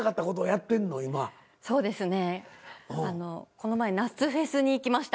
この前夏フェスに行きました